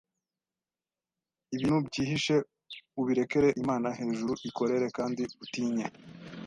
ibintu byihishe ubirekere Imana hejuru ikorere kandi utinye